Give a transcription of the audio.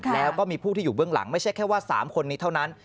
แล้วก็มีผู้ที่อยู่เบื้องหลังไม่ใช่แค่ว่า๓คนนี้เท่านั้น